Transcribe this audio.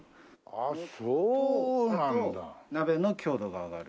あと鍋の強度が上がる。